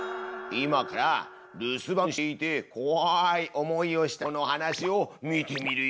今から留守番していてこわい思いをした子の話を見てみるよ。